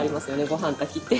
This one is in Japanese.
ごはん炊きって。